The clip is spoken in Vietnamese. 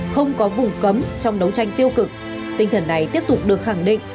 không có vùng cấm trong đấu tranh tiêu cực tinh thần này tiếp tục được khẳng định